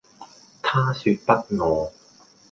她說不餓